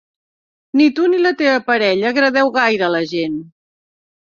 Ni tu ni la teva parella agradeu gaire a la gent.